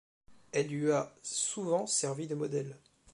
Elle lui a souvent servi de modèle.